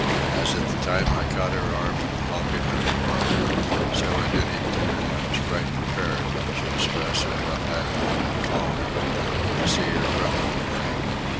As at the time I caught her arm when helping her below, so at any time I was quite prepared, should stress or rough handling befall her, to see her crumble away.